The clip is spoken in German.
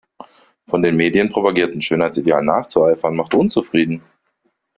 Von den Medien propagierten Schönheitsidealen nachzueifern macht unzufrieden.